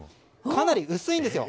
かなり薄いんですよ